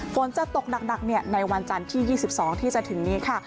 ฝนจะตกหนักในวันจันทร์ที่๒๒ที่จะถึงนี้ค่ะ